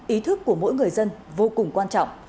ý thức của mỗi người dân vô cùng quan trọng